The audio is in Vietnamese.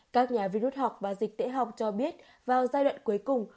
các nhà vi rút học và dịch tễ học cho biết vào giai đoạn cuối cùng